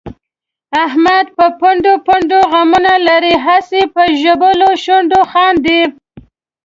احمد په پنډو پنډو غمونه لري، هسې په ژبلو شونډو خاندي.